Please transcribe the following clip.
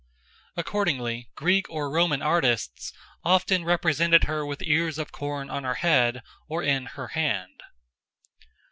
Accordingly, Greek or Roman artists often represented her with ears of corn on her head or in her hand.